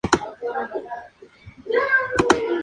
La actriz Lucy Wigmore la reemplazó en la serie como Justine.